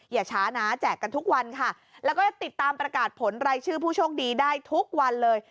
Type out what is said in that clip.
อย่าช้านะแจกกันทุกวันค่ะแล้วก็จะติดตามประกาศผลรายชื่อผู้โชคดีได้ทุกวันเลย